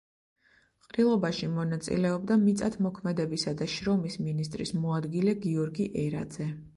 ყრილობაში მონაწილეობდა მიწათმოქმედებისა და შრომის მინისტრის მოადგილე გიორგი ერაძე.